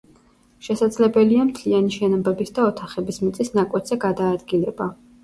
შესაძლებელია მთლიანი შენობების და ოთახების მიწის ნაკვეთზე გადაადგილება.